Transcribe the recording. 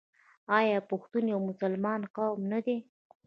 آیا پښتون یو مسلمان قوم نه دی؟